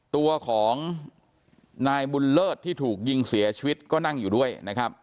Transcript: ตัวของนายบุญเลิศที่ถูกยิงเสียชีวิตก็นั่งอยู่ด้วยนะครับ